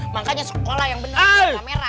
makanya sekolah yang bener bener merah